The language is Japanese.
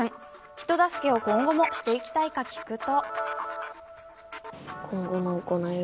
人助けを今後もしていきたいか聞くと。